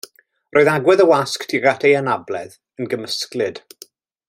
Roedd agwedd y wasg tuag at ei anabledd yn gymysglyd.